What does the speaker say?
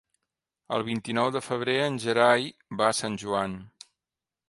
El vint-i-nou de febrer en Gerai va a Sant Joan.